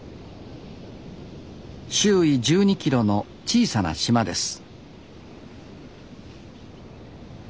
周囲１２ｋｍの小さな島です